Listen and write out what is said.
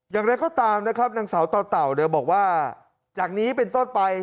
อย่างนั้นก็ตามนะครับนางเสาต่อต่าวเดี๋ยวบอกว่าจากนี้เป็นต้นไป